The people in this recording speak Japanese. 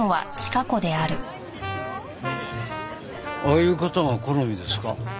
ああいう方が好みですか？